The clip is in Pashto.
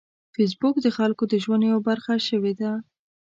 فېسبوک د خلکو د ژوند یوه برخه شوې ده